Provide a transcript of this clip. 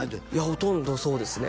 ほとんどそうですね